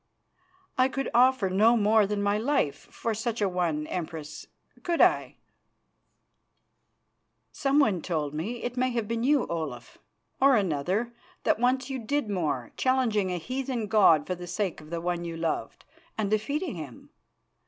"I could offer no more than my life for such a one, Empress, could I?" "Someone told me it may have been you, Olaf, or another that once you did more, challenging a heathen god for the sake of one you loved, and defeating him.